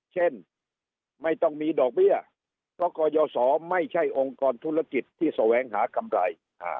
เช่นไม่ต้องมีดอกเบี้ยเพราะกรยศไม่ใช่องค์กรธุรกิจที่แสวงหากำไร